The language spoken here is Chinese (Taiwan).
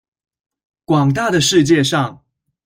廣大的世界上